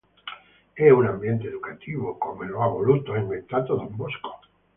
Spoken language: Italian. È un ambiente educativo come lo ha voluto e inventato Don Bosco.